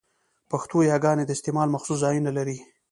پښتو يګاني د استعمال مخصوص ځایونه لري؛